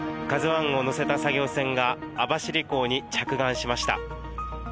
ＫＡＺＵＩを載せた作業船が網走港に着岸しました。